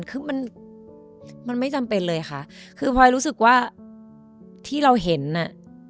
คือมันมันไม่จำเป็นเลยค่ะคือพลอยรู้สึกว่าที่เราเห็นน่ะ